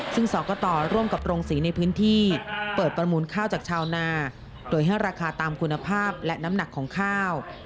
ซึ่งสกตร่วมกับโรงสีในพื้นที่เปิดประมูลข้าวจากชาวนาโดยให้ราคาตามคุณภาพและน้ำหนักของข้าว